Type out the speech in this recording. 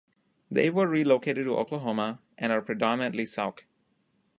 They were relocated to Oklahoma and are predominantly Sauk.